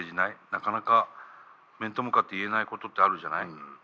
なかなか面と向かって言えないことってあるじゃない？